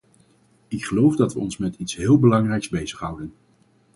Ik geloof dat we ons met iets heel belangrijks bezighouden.